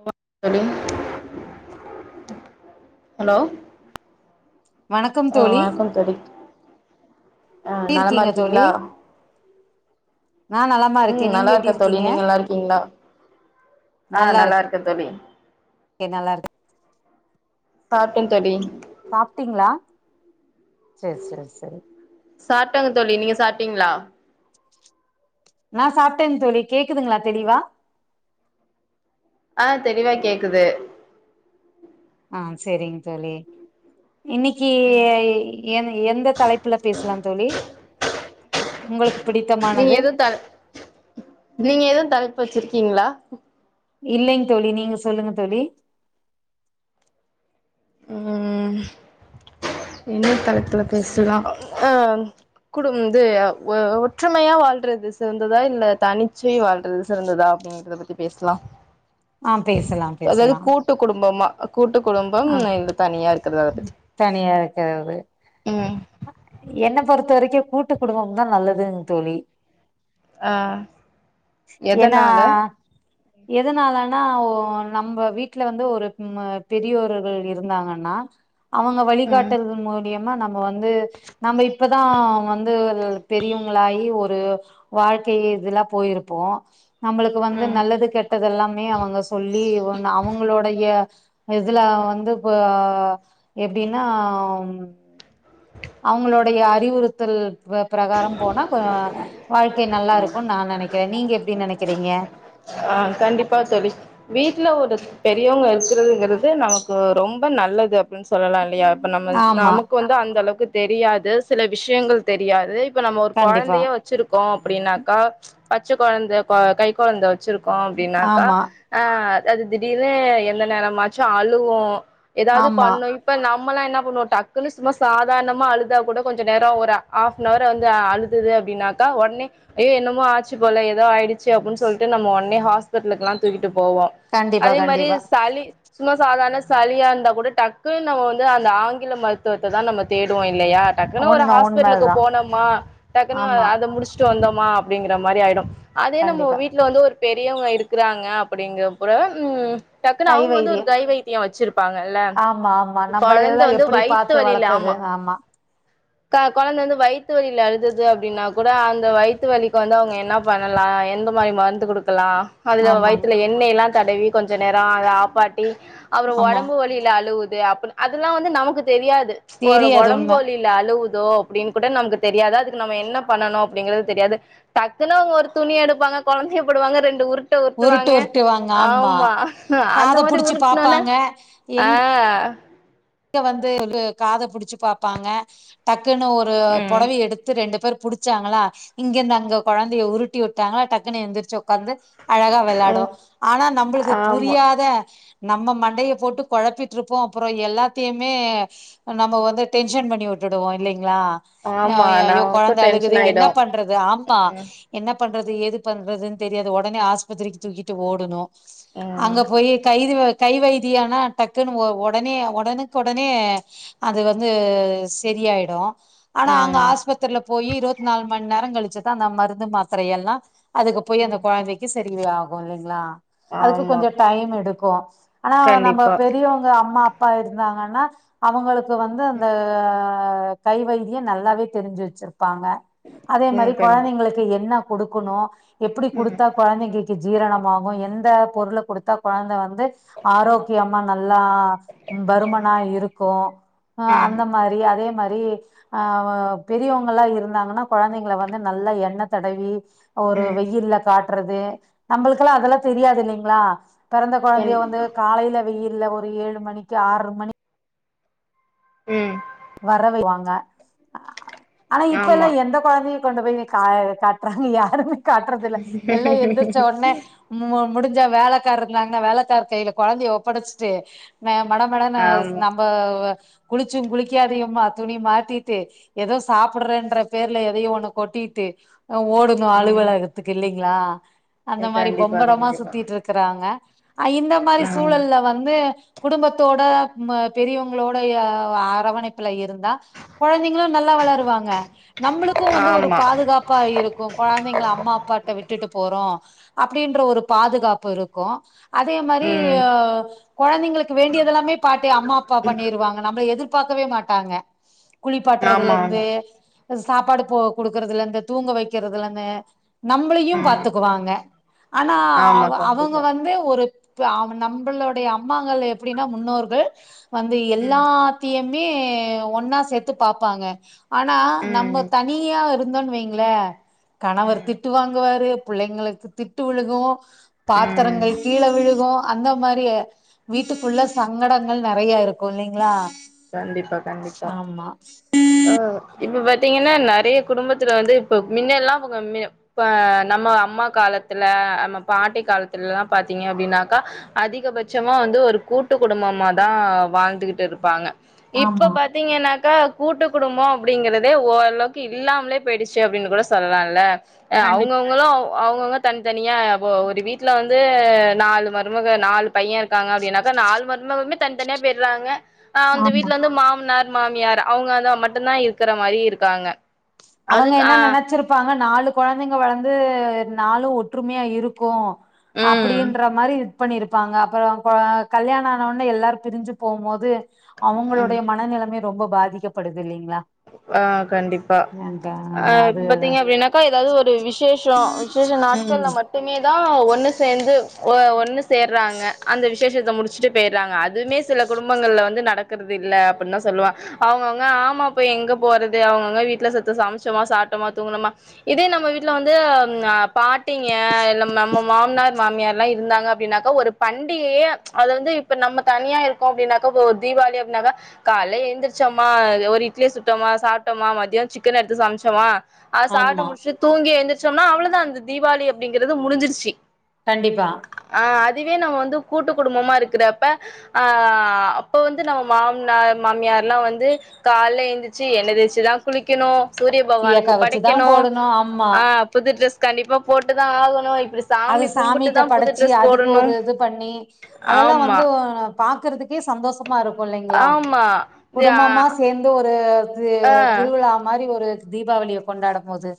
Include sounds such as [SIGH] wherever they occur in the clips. [UNINTELLIGIBLE] Hello வணக்கம் அ தோழி வணக்கம் தோழி அ எப்டி நலமா இருக்கீங்க தோழி இர்க்கீங்ளா நா நலமா ம் இருக்கே நீங்க எப்டி நல்லார்க்க தோழி இருக்கீங்க நீங்க நல்லாருக்கீங்ளா அ நல்லா நல்லார்க்க தோழி இருக்கே நல்லா இருக்கே சாப்ட்ட தோழி சாப்ட்டீங்ளா சேர் சேர் சேர் சாட்டங்க தோழி நீங்க சாட்டீங்ளா நா சாப்ட்டேன் தோழி கேக்குதுங்ளா தெளிவா அ தெளிவா கேக்குது அ செரிங் தோழி இன்னிக்கி எ எந்த தலைப்புல பேசுலாம் தோழி உங்களுக் பிடி நீங்க எது தல் நீங்க எது தலைப்பு வச்சிருக்கீங்ளா இல்லைங் தோழி நீங்க சொல்லுங்க தோழி ம் என்ன தலைப்புல பேசுலா அ குடும் து வ ஒற்றுமையா வாழ்றது சிறந்ததா இல்ல தனிச்சி வாழ்றது சிறந்ததா அப்டின் இன்டுத பத்தி பேஸ்லா ஆ பேசலா பேசலா டு குடும்பமா அ கூட்டு குடும்பம் ஆ இது தனியா இருக்குற்து அத பத்தி தனியா ம் என்னப் பொறுத்த வரக்கு கூட்டுக் குடும்பம்தா நல்லதுங் தோழி ஆ ஏனா எதனால எதுனாலன்னா ஒ நம்ப வீட்ல வந்து ஒரு ம்மா பெரியோர்கள் இருந்தாங்கன்னா அவங்க ம் வழிகாட்டல் மூலியமா நம் நம்ம வந்து நம்ப இப்பதா வந்து பெரியவங்களாயி ஒரு வாழ்க்கை இதுலா போயிருப்போ நம்பளுக்கு வந்து நல்லது கெட் டது எல்லாமே அவங்க சொல்லி ஒன் அவங்களுடைய இதுல வந்து பா எப்டின்னாம் அவுங்களுடைய அறிவுறுத்தல் பிர பிரகாரம் போனா கொ வாழ்க்கை நல்லா இருக்குன்னு நாஒ நெனைக்கிற நீங்க எப்டி நெனைக்கிறீங்க ஆ கண்டிப்பா தோழி வீட்ல ஒரு பெரியவங்க இருக்கிறதுங்கிறது நமக்கு ரொ ரொம்ப நல்லது ன்னு சொல்லலா இல்லையா இப்ப நம்மள் ஆமா நமக்கு வந்து அந்த அளவுக்கு தெரியாது சில விஷயங்கள் தெரியாது இப்ப நம்ம ஒரு கண்டிப்பா கொழந்தையே வச்சிருக்கோ அப்டின்னாக்கா பச்சக் கொழந்த கொ கைக் கொழந்த வச் இருக்கோ அப்டின்னாக்கா ஆமா ஆ அது திடீர்னு எந்த நேரமாச்சு அழுவு ஏதாவது ஆமா பண்ணோய் இப்ப நம்மல்லா என்ன பண்ணுவோ டக்குன்னு சும்மா சாதாரணமா அழுதா கூட கொஞ்ச நேரோ ஒரு ஆஃப் ரோற வந்து அன் அவர் வந்து அழுதுரு அப்டின்னாக்கா ஒடனே ஐயோ என்னமோ ஆச்சு போல ஏதோ ஆயிட்ச்சு அப்டின்னு சொல் [UNINTELLIGIBLE] நம்ம ஒன்னே ஹாஸ்பிட்டலுக்குல்லா தூக்கிட்டு போவோ கண்டிப்பா அதே மாதிரி கண்டிப்பா சளி சும்மா சாதாரண சளியா இருந்தா கூட டக்குன்னு நம்ம வந்து அந்த ஆங்கில மருத்துவத்த தா நம்ம தேடுவோ இல்லையார் டக்குன்னு ஒரு உண்ம ஹாஸ்பிட்டலுக்கு உண்மதா போனோமா டக்குன்னு அ ஆமா அத முடிச்சுட்டு வந்தோமா அப்டிங்கிற மாரி ஆயிடு அது என்னமோ கண்டிப்பா வீட்ல வந்து ஒரு பெரியவங்க இருக்கிறாங்க அப்டிங்கறப்புற டக்குன்னு கை அவுங்க வந்து ஒரு வைத்தியம் கை வைத்தியோ வச்சிருப்பாங்க இல்ல கொழந்த வந்து வயித் பெத்து வளர்த்தது ஆமா கா கொழந்த வந்து வயித்து வலியில அழுதது அப்டின்னா கூட அந்த வயித்து வலிக்கு வந்து அவுங்க என்ன பண்ணலா என்து ஒரு வாயி மருந்து குடுக்கலா அதுக ஆமாங் வயித்துல எண்ணெய் எல்லா தடவி கொஞ்ச நேரோ அத ஆப்பாட்டி அப்புறோ ஆமா ஒடம்பு வலியில அழுவுது அப்ல அதெல்லா வந்து நமக்கு தெரியாது தெரியாது உண்ம ஒடம்பு வலி குல அழுவுதோ அப்டின்னு கூட நமக்கு தெரியாது அதுக்கு நம்ப என்ன பண்ணணு அப்டிங்கிறது தெரியாது டக்குன்னு அவுங்க ஒரு துணி எடுப்பாங்க கொழந்தையப் போடுவாங்க ரெண்டு உருட் டு உருட்டு உருட்டுவாங்க உருட்டுவாங்க ஆமா அந்த காத மாரி புடிச்சு உருட்டனோன பாப்பாங்க அ அ ங்க வந்து காதப் புடிச்சு பாப்பாங்க டக்குன்னு ஒரு ம் பொடவய எடுத்து ரெண்டு பேர் புடிச் ச்சாங்களா இங்கிருந்து அங்க கொழந்தைய உருட்டி உட்டாங்ளா டக்குனு எந்திருச்சி உக்காந்து அழகா வெளாடு ம் ஆனா நம்பளுக்கு ஆமா புரியாத நம்ம மண்டையப் போட்டு கொழப்பிட்டு இருப்போ அப்புறோ எல்லா தின்னே நம்ப வந்து டென்ஷன் பண்ணி விட்டுடுவோ இல்லைங்ளா ஆமா ஆய் ஐயோ நமக்கு கொழந்த அழுகுது டென்ஷன் ஆயிடு என்ன பண் றது ஆமா ம் என்ன பண்றது ஏது பண்றதுன்னு தெரியாது ஒடனே ஆஸ்பத்திரிக்கு தூக்கிட்டு ஓடணு அங்க ம் போய் கைது கை வைத்தியனா டக்குன்னு ஒ ஒடனே ஒடனு உடனே அது வந்து சரியாயிடு ஆனா அங்க ம் ஆஸ்பத்திரில போயி இருபத்தி நாலு மணி நேரோ கழிச்சுதா அந்த மருந்து மாத்திரை எல்லா அதுக்கு போய் அந்த ம் கொழந்தைக்கு சரி ஆகும் இல்லேங்களா அதுக்கு ஆமா கொஞ்சோ டைம் எடுக்கு ஆ ஆனா நம்ம கண்டிப்பா பெரியவங்க அம்மா அப்பா இருந்தாங்கன்னா அவங்களுக்கு வந்து அந்த கை வைத்திய நல்லாவே தெரிஞ்சி வச்சிருப்பாங்க அதே ம் மாரி கண்டி கொழந்தைங்களுக்கு என்ன குடுக்கணும் எப்டி ம் குடுத்தா கொந்தைங்கலுக்கு ஜீரணமாகு எந்த பொருள குடுத்தா கொழந்த வந்து ஆரோக்கியமா நா நல்லா பருமனா இருக்கூ அ ம் அந்த மாரி அதே மாரி ஆ பெரியவுங்கல்ல இருந்தாங்கன்னா கொழந்தைங்கல வந்து நல்லா எண்ண தடவி ஒரு ம் வெயில்ல காட்றது நம்மளுக்கெல்லா அதெல்லா தெரியாது இல்லிங்களா பெறந்த கண் கொழந்தய வந்து காலையில வெயில்ல ஒரு ஏழு மணிக்கு ஆறு மணிக்கு ம் வர வைக்குவாங்க ஆனா இப்பெல்லா ஆமா எந்தக் கொழந்தைங் கொண்டு போய் காய காட்டுறாங்க யாருமே காட்றதில்ல எல்லா எந்திரச்ச ஒட்னே மோ முடிச்சா வேலக்கார் இருந்தாங்கன்னா வேலைக்கார் கைல கொழந்தய ஒப்படைச்சிட்டு மே மட மடன்னு ஆமா நம்ப குளிச்சும் குளிக் கியாதியுமா துணி மாத்திட்டு ஏதோ சாப்டுறேன்ற பேர்ல எதையோ ஒண்ணு கொட்டிட்டு அ ஓடோனோ ம் அலுவலகத்துக்கு இல்லைங்களா அந்த மாரி கண்டிப்பா பொம்பரமா கண்டிப்பா சுத்திட்டு இருக் கிறாங்க் அ இந்த மாரி ம் சூழல்ல வந்து குடும்பத்தோட ம்ம பெரியுங்களோட ஏ ஆ அரவணைப்புல இருந்தா கொழந்திங்களூ நல்லா வளருவாங்க நம்மளுக்கூ வந்து ஒரு ஆமா பாதுகாப்பா இருக்கூ கொழந்தைங்கள அம்மா அப்பாட்ட விட்டுட்டு போறோ அப்டின்ற ஒரு பாதுகாப்பு இருக்கோ அதே மாரி ம் கொழந்தைங்களுக்கு வேண்டியது எல்லாமே பாட்டிய அம்மா அப்பா பண்ணிருவாங்க நம்மள எதிர்ப் பாக்கவே மாட்டாங்க ஆமா குளிப்பாட்டுறதுலந்து ஆமா சாப்பாடு போ குடுக்குறதுலந்து தூங்க வைக்கிறதுலந்து நம்பளியூ ம் பாத்துக்குவாங்க ஆனா ஆமா அவ அவுங்க கண்டிப்பா வந் வந்து ஒரு ஆ நம்பளுடைய அம்மாங்கள் எப்டின்னா முன்னோர்கள் வந்து ம் எல்லாத்தியுமே ஒன்னா சேத்து பாப்பாங்க ஆனா நம்ப ம் தனியா இருந்தோன்னு வைங்களே கணவர் ம் திட்டு வாங்குவாரு புள்ளைங்குளுக்கு திட்டு விழுகூ ம் பாத்துரங்கள் கீழ விழுகூ அந்த மாரியே வீட்டுகுள்ள சங்கடங்கள் நெறையா இருக்கூ இல்லிங்களா கண்டிப்பா கண்டிப்பா ஆ இப்ப பாத்தீங்கன்னா நறய குடும்பத்துல வந்து இப்போ மின்னல்லா கம்மியந் இப்ப நம்ம அம்மா காலத்துல நம்ம பாட்டி கால்த்துல்லா பாத்தீங்க அப்டின்னாக்கா அதிகபட்சமா வந்து ஒரு கூட்டு குடும்பமாதா வாழ்ந்துகிட்டு இருப்பாங்க இப்ப ஆமா பாத் பாத்தீங்கனாக்கா கூட்டு குடும்போ அப்டிங்கிறதே ஓரளவுக்கு இல்லாம்லே போய்டுச்சி அப்டின்னு கூட சொல்லால்ல ஏ அவுங் கண்டிப் கவுங்களூ அவுங்கவுங்க தன்த்தனியா இப்போ ஒரு வீட்ல வந்து நாலு மருமக நால் பைய இருக்காங்க அப்டினாக்கா நால் மருமகமே தனித்தனியா போய்டுறாங்க ஆ அந்த ஆமா வீட்ல வந்து மாம்னார் மாமியார் அவுங்கா தா மட்டுந்தா இருக்குற மாரி இருக்காங்க அவங்க அதுக்கு என்ன ஆ நெனச்சிருப்பாங்க நாலு கொழந்தைங்க வளந்து நாலு ஒற்றுமையா இருக்கு ம் அப்டின்ற மாரி இத் பண்ணிருப்பாங்க அப்ரோ கொ கல்யாண ஆனவொன்னே எல்லாரு பிரிஞ்சி போவ்மோது அவுங்களோடைய மன நிலமே ரொம்போ பாதிக்கப்படுது இல்லைங்களா ஆ கண்டிப் பா அ ஆ அது இப்ப பாத்தீங்க அப்டின்னாக்கா ஏதாவுது ஒரு விசேஷோ விசேஷோ ம் நாட்கள்ல மட் மட்டுமே தா ஒண்ணு சேந்து ஒ ஒண்ணு சேர்றாங்க அந்த விசேஷத்த முடிச்சிட்டு போய்றாங்க அதுமே சில குடும்பங்கள்ல வந்து நடத் க்குறதில்ல அப்டின்தா சொல்லுவா அவுங்க அவுங்க ஆமா இப்ப எங்க போறது அவுங்க அவுங்க வீட்ல சத்த சமச்சோமா சாட்டோமா தூங்குனோமா இதே நம்ம வீட்ல வந்து ம் பாட்டிங்க நம்ம மொ மாம்னார் மாமியார்லா இருந்தாங்க அப்டினாக்கா ஒரு பண்டிகையே அது வந்து இப்ப நம்ம தனியா இருக் கோ அப்டினாக்கா போ ஒ தீபாளி அப்டினாக்கா கால எந்திரச்சம்மா ஒரு இட் இட்லிய சுட்டமா சாப்ட்டமா மத்யான சிக்கன் எடுத்து சமச்சமா அத சாப்ட்டு ஆமா முடிச்சுட்டு தூங்கி எந்திரிச்சோம்னா அவளதா அந்த தீபாளி அப்டிங்கிறது முடிஞ்சிருச்சு கண்டிப்பா ஆ அதுவே நம்ம வந்து கூட்டு குடும்பமா இருக்கிறப்ப ஆ அப்ப வந்து நம்ம மாமனார் மாமியார்லா வந்து கால் லே எந்துருச்சு என்ன தேச்சுதா குளிக்கணு சூரிய சீயக்கா பகவானுக்கு வச்சுதா படைக்கணு போடணு ஆமா ஆ புது ட்ரெஸ் கண்டிப்பா போட்டு தா ஆகணு இப்டி அது சாமி சாமிட்ட கும்பிட்டுதா புது படச்சு ட்ரெஸ் அதுக்கு போடணு ஒரு இது பண்ணி அதெல்லா ஆமா வந்து பாக்குறதுக் கே சந்தோஷமா இருக்கு இல்லைங்களா ஆமா குடும்பமா சேந்து ஒரு தி ஆ திருவிழா மாரி ஒரு தீபாவளிய கொண்டாட மோது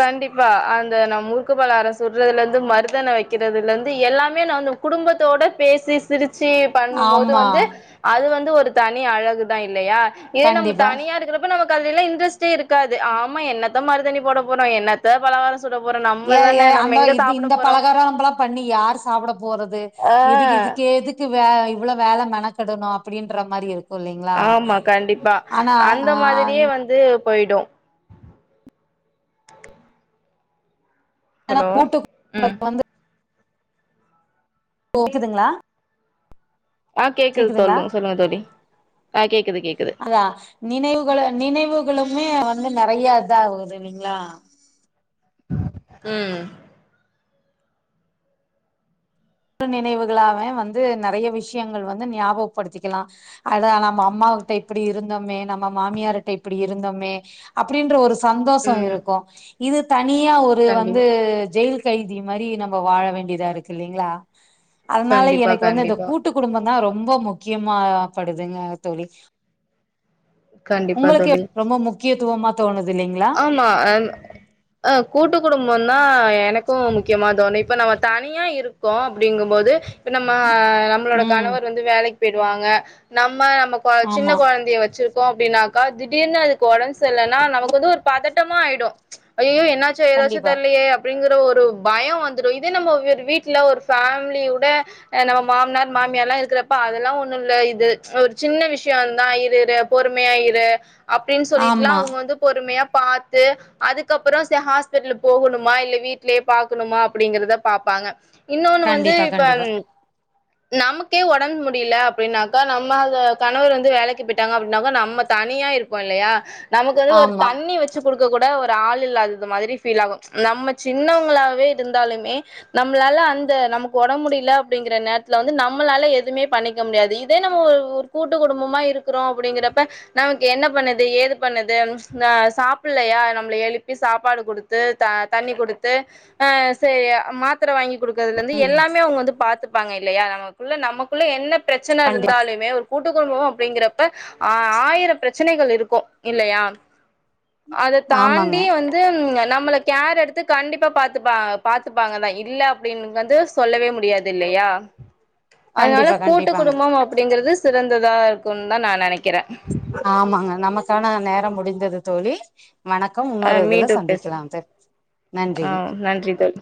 கண்டிப்பா அந்த நா முறுக்கு பலகார சுட்றதுல இருந்து மருதென வெக்கிறதுலருந்து எல்லாமே நானு குடும்பத்தோட பேசி சிரிச்சு பண்ணுமோது ஆமா வந்து அது வந்து ஒரு தனி அழகுதா இல்லையா இதே நம்ம கண்டிப்பா தனியா இருக்கிறப் ப்ப நமக்கு அதுலேலா இன்ட்ரெஸ்ட்டே இருக்காது ஆமா என்னத்த மறுதாணி போட போறோ என்னத்த பலகார சு சுட போறோ நம் ஏ ஏ அந்த இது இந்த பலகாரம நம்பெல்லா பண்ணி யார் சாப்புட போறது ஆ எதுக்கு இதுக்கு எதுக்கு வே இவ்வள வேல மெனக்கெடணு அப்டின்ற மாரி இருக் ஆமா கண்டிப்பா அந்த ஆ மாதிரியே இந் வந்து போயிடு ஆனா ஹலோ கூட்டு ம் குடும்பத்ல வந்து கேக்குதுங்ளா ஆ கேக்குது தோழு சொல்லுங்க தோழி ஆ கேக்குது கேக்குது தா நினைவுகள நினைவுகளுமே வந்து நெறையா இதா ஆவுது இல்லைங்ளா ம் டு நினைவுகளாவே வந்து நெறைய விஷ்யங்கள் வந்து ஞாபகப்படுத்திக்கலா அதா நம்ம அம்மாவுட்ட இப்டி இருந்தமே நம்ம மாமியாருட்ட இப்டி இருந்தமே அப்டின்ற ஒரு சந்தோஷ ம். இருக்கு இது தனியா ஒரு வந்து கண்டிப்பா ஜெயில் கைதி மாரி நம்ம வாழ வேண்டியதா இருக்கு இல்லலைங்ளா அதனால கண்டிப்பா எனக்கு வந்து அந்த கண்டிப்பா கூட்டு ட்டு குடும்பந்தாஈ ரொம்ப முக்கியமா படுதுங்க தோழி கண்டிப்பா உங்களுக்கே தோழி ரொம்ப முக்கியத்துவமா தோணுது இல்லைங்ளா ம்மா அன் ஆ கூட்டு குடும்போனா எனக்கு முக்கியமா தோணு இப்ப நம்ம தனியா இருக் கோ அப்டிங்கும்போது இப்ப நம்ம நம் நம்மளோட ம் கணவர் வந்து வேலைக்கு போயிருவாங்க நம்ம நம்ம கொ சின்ன ஆமா கொழந்தைய வச்சுக்கிட் கோ அப்டினாக்கா திடீர்னு அதுக்கு ஒடம்பு செர்லனா நமக்கு வந்து ஒரு பதட்டமா ஆயிடு ஐயயோ என்னாச்சு சு எதாச்சு கண்டிப்பா தெர்லயே அப் அப்டிங்குற ஒரு பயோ வந்துரு இதே நம்ம வீட்ல ஒரு ஃபேமிலியுட அது நம்ம மாம்னார் மாமியார் எல்லா இருக்றப்ப அதெல்லா ஒன்னுல இது ஒரு சின்ன விஷ்யோ தா இரு இரு பொறுமையா இரு அப்டின் சொல்லிட்டுலா ஆமா அவ்ங்க வந்து பொறுமையா பாத்து அதுக்கப்றோ சேர் ஹாஸ்பிட்டலு போகணுமா இல்ல வீட்லயே பாக்கணுமா அப்டிங்கிறத பாப்பாங்க இன்னொன்னு வந்து கண்டிப்பா இப்ப கண்டிப்பா [INAUDIBLE] நமக்கே ஒடம்பு முடியல அப்டினாக்கா நம்ம அத கணவர் வந்து வேலைக்கு போய்ட்டாங்க அப்டின்னாக்கா நம்ம தனியா இருக் போட்லையா நமக்கு வந்து ஒரு ஆமா தண்ணி வச் வச்சு குடுக்க கூட ஒரு ஆள் இல்லாதது மாரி ஃபீல் ஆகு நம்ம சின்னவங்களாவே இருந்தாலுமே நம்ளால அந்த நமக்கு உடம்ப முடியல அப்படிங்கிற நேரத்துல வந்து நம்மளால எதுமே பண்ணிக் க முடியாது இதே நம்ம ஒரு ஒரு கூட்டு குடும்பமா இருக்றோ அப்டிங்கிறப்ப நமக்கு என்ன பண்ணுது ஏது பண்ணுது ம் இந்தா சாப் புல்லயா நம்ள எழுப்பி சாப்பாடு குடுத்து த தண்ணி குடுத்து அ சரியா மாத்திர வாங்கி கூடுத் க்றதுல இருந்து ம் எல்லாமே அவுங்க வந்து பாத்தப்பாங்க இல்லயா நமக்குள்ள நமக்குள்ள என்ன பிரச்சனை கண்டிப்பா இருந்தாலுமே ஒரு கூட்டுக்குடும்போ அப்டிங்கிறப்ப ஆ ஆயிரோ பிரச்சனைகள் இருக்கு இல்லையா அத ஆமாங்க தாண்டி வந் து நம்ள கேர் எடுத்து கண்டிப்பா பாத்தப்பா பாத்துப்பாங்கதா இல்ல அப்டின்னு வந்து சொல்லவே முடியாது இல்லயா அதனால கண்டிப்பா கூட்டு கண்டிப்பாங்க குடும்பம் அப்டிங்குறது சிறந்ததா இருக்குன் தா நா நெனைக்கிறே ஆமாங்க நமக்கான நேரம் முடிந்தது தோழி வணக்கம் ஆ இன்னொரு இதுல மீண்டும் பேச சந்திக்கலா வந்து நன்றி ஆ நன்றி தோழி